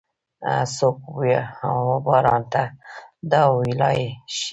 څوک وباران ته دا ویلای شي؟